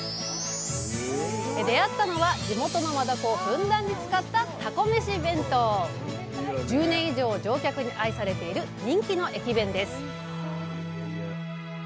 出会ったのは地元のマダコをふんだんに使った１０年以上乗客に愛されている人気の駅弁です